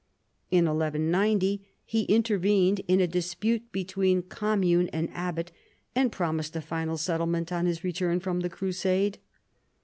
In 1190 he intervened in a dispute between commune and abbat, and promised a final settlement on his return from the crusade.